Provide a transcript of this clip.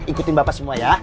ikutin bapak semua ya